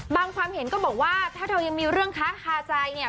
ความเห็นก็บอกว่าถ้าเรายังมีเรื่องค้าคาใจเนี่ย